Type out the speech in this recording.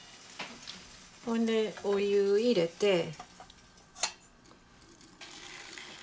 お湯入れて。